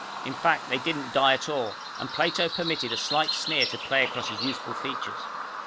In fact, they didn't die at all, and Plato permitted a slight sneer to play across his youthful features.